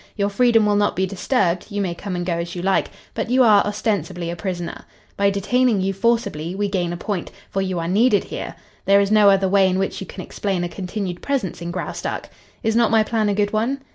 Your freedom will not be disturbed; you may come and go as you like, but you are ostensibly a prisoner. By detaining you forcibly we gain a point, for you are needed here. There is no other way in which you can explain a continued presence in Graustark. Is not my plan a good one?"